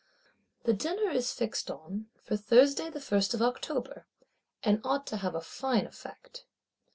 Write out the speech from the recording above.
The dinner is fixed on, for Thursday the First of October; and ought to have a fine effect.